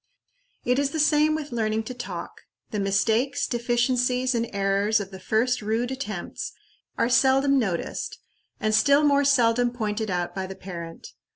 It is the same with learning to talk. The mistakes, deficiencies, and errors of the first rude attempts are seldom noticed, and still more seldom pointed out by the parent.